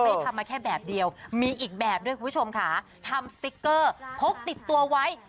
ได้ทำมาแค่แบบเดียวมีอีกแบบด้วยคุณผู้ชมค่ะทำสติ๊กเกอร์พกติดตัวไว้